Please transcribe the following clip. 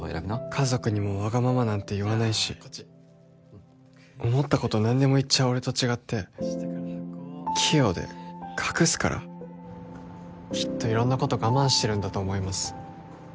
家族にもわがままなんて言わないし思ったこと何でも言っちゃう俺と違って器用で隠すからきっと色んなこと我慢してるんだと思います